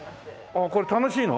ああこれ楽しいの？